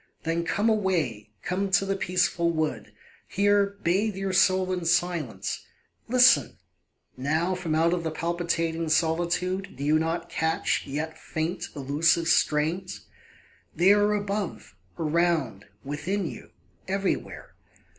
Then come away, come to the peaceful wood, Here bathe your soul in silence. Listen! Now, From out the palpitating solitude Do you not catch, yet faint, elusive strains? They are above, around, within you, everywhere.